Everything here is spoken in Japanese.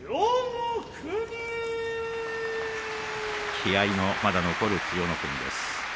気合いのまだ残る千代の国。